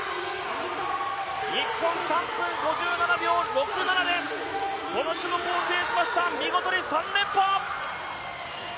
日本、３分５７秒６７でこの種目を制しました、見事に３連覇！